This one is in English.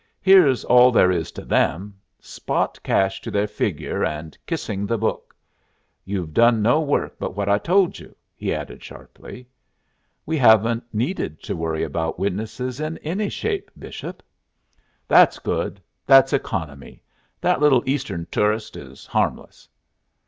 Here's all there is to them: spot cash to their figure, and kissing the Book. You've done no work but what I told you?" he added, sharply. "We haven't needed to worry about witnesses in any shape, Bishop." "That's good. That's economy. That little Eastern toorist is harmless."